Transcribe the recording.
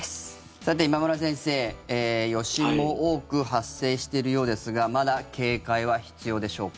さて今村先生、余震も多く発生しているようですがまだ警戒は必要でしょうか？